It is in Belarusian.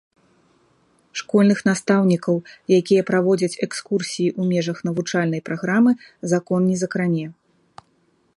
Школьных настаўнікаў, якія праводзяць экскурсіі ў межах навучальнай праграмы, закон не закране.